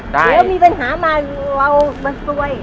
เฮียมีปัญหามาเอามันซวย